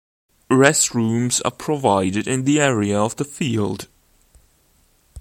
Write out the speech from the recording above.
Restrooms are provided in the area of the field.